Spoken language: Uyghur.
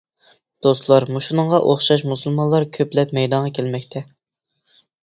دوستلار مۇشۇنىڭغا ئوخشاش مۇسۇلمانلار كۆپلەپ مەيدانغا كەلمەكتە.